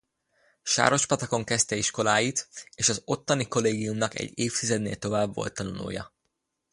Sárospatakon kezdte iskoláit és az ottani kollégiumnak egy évtizednél tovább volt tanulója.